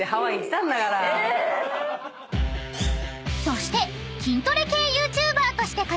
［そして］